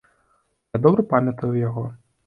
Я добра памятаю яго.